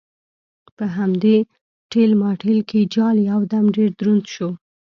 په همدې ټېل ماټېل کې جال یو دم ډېر دروند شو.